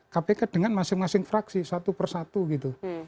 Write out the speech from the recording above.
kpk dengan masing masing fraksi satu persatu gitu